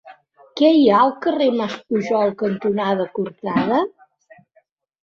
Què hi ha al carrer Mas Pujol cantonada Cortada?